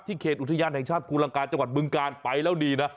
ที่เขตอุทยานแห่งชาติกุลังกาลจังหวัดเมืองกาลไปแล้วดีนะ